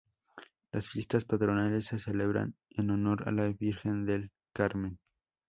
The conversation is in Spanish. Las fiestas patronales se celebran en honor a la Virgen del Carmen.